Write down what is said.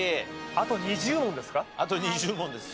あと２０問です。